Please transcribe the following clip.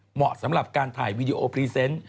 เหมาะสำหรับการถ่ายวีดีโอพรีเซนต์